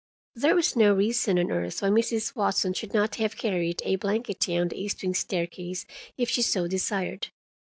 There was no reason on earth why Mrs. Watson should not have carried a blanket down the east wing staircase, if she so desired.